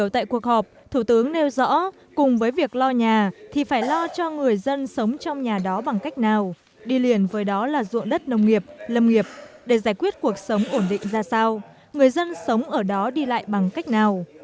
trong cuộc họp thủ tướng nêu rõ cùng với việc lo nhà thì phải lo cho người dân sống trong nhà đó bằng cách nào đi liền với đó là ruộng đất nông nghiệp lâm nghiệp để giải quyết cuộc sống ổn định ra sao người dân sống ở đó đi lại bằng cách nào